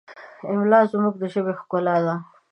املا زموږ د ژبې ښکلا ده.